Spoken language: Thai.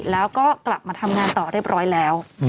แล้วก็กลับมาทำงานต่อเรียบร้อยแล้ว